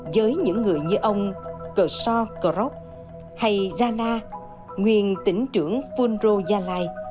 với những người như ông kershaw kroc hay jana nguyên tỉnh trưởng phunro yalai